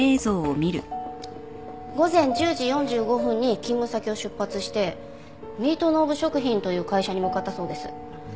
午前１０時４５分に勤務先を出発してミートノーブ食品という会社に向かったそうです。